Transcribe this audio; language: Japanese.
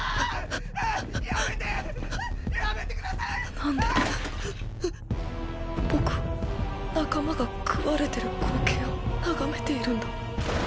なんで僕は仲間が食われてる光景を眺めているんだ。